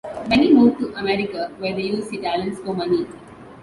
Many moved to America, where they used their talents for money.